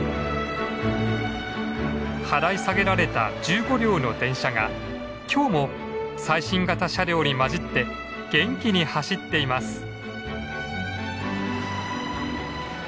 払い下げられた１５両の電車が今日も最新型の車両に混じって元気に走っています。